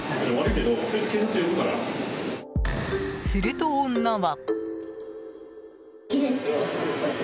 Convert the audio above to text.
すると女は。